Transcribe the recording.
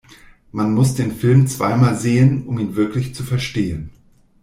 Man muss den Film zweimal sehen, um ihn wirklich zu verstehen.